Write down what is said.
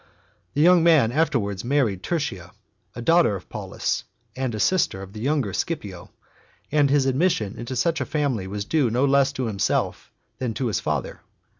The young man afterwards married Tertia, a daughter of Paulus and a sister of the younger Scipio, and his admission into such a family was due no less to himself than to his father